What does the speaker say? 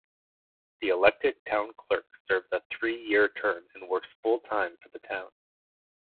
The Elected Town Clerk serves a three-year term and works full-time for the Town.